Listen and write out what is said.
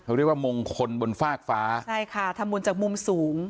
เขาเรียกว่ามงคลบนฟากฟ้าใช่ค่ะทำบุญจากมุมสูง